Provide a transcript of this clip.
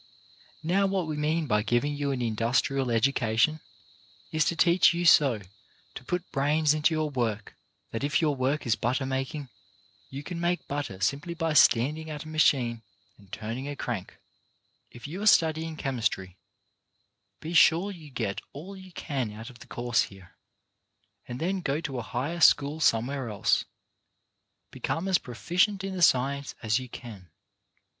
Now what we mean by giving you an industrial education is to teach you so to put brains into your work that if your work is butter making, you can make butter simply by standing at a machine and turning a crank. UNIMPROVED OPPORTUNITIES 123 If you are studying chemistry, be sure you get all you can out of the course here, and then go to a higher school somewhere else. Become as pro ficient in the science as you can.